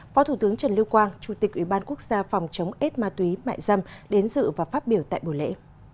phó thủ tướng trần lưu quang chủ tịch ủy ban quốc gia phòng chống ết ma túy mại dâm đến dự và phát biểu tại buổi lễ